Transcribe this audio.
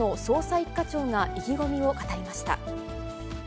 １課長が意気込みを語りました。